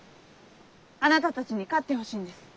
あなたたちに勝ってほしいんです。